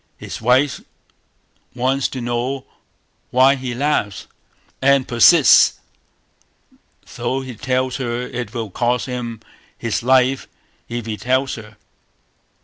His wife wants to know why he laughs, and persists, though he tells her it will cost him his life if he tells her.